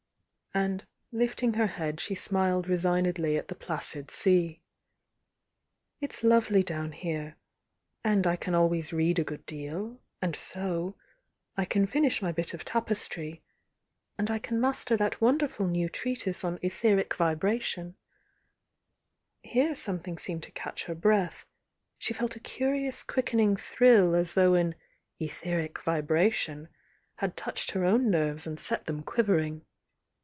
and lifting her head, she smiled resignedly at tiie placid sea. "It's lovely down here, — and I can always read a good deal, — and sew, — I can finish my bit of tapes try, — and I can master that wonderful new treatise on Etheric Vibration " Here something seemed to catch her breath, — she felt a curious quickening thrill as though an "etheric vibration" had touched her own nerves and set them quivering.